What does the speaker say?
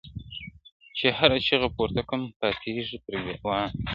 چي هره چېغه پورته کم پاتېږي پر ګرېوان--!